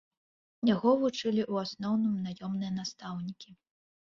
Яго вучылі ў асноўным наёмныя настаўнікі.